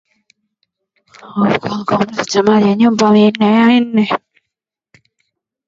Mu kiwanza kyangu mita jengamo nyumba munene